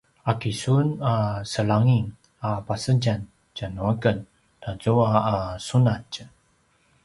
’aki sun a selaing a pasedjam tjanuaken tazua a sunatj?